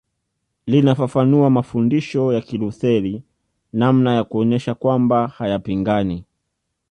Linafafanua mafundisho ya Kilutheri namna ya kuonyesha kwamba hayapingani